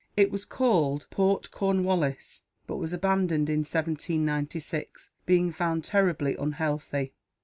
It was called Port Cornwallis; but was abandoned in 1796, being found terribly unhealthy.